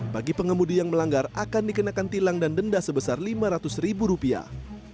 bagi pengemudi yang melanggar akan dikenakan tilang dan denda sebesar lima ratus ribu rupiah